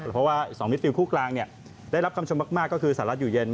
เพราะว่า๒มิดฟิลคู่กลางได้รับคำชมมากก็คือสหรัฐอยู่เย็น